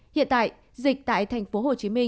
hiện tại dịch tại tp hcm